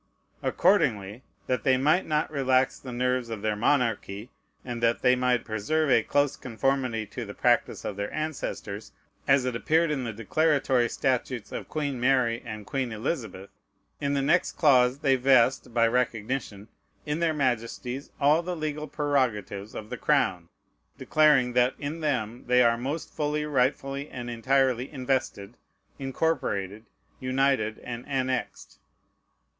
Accordingly, that they might not relax the nerves of their monarchy, and that they might preserve a close conformity to the practice of their ancestors, as it appeared in the declaratory statutes of Queen Mary and Queen Elizabeth, in the next clause they vest, by recognition, in their Majesties all the legal prerogatives of the crown, declaring "that in them they are most fully, rightfully, and entirely invested, incorporated, united, and annexed."